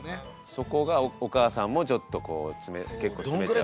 そこがお母さんもちょっとこう結構詰めちゃうって。